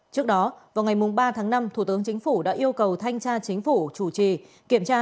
trước đó vào ngày ba tháng năm thủ tướng chính phủ đã yêu cầu thanh tra chính phủ chủ trì kiểm tra